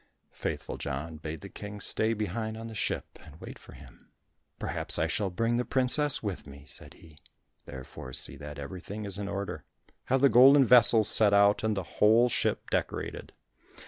Faithful John bade the King stay behind on the ship, and wait for him. "Perhaps I shall bring the princess with me," said he, "therefore see that everything is in order; have the golden vessels set out and the whole ship decorated."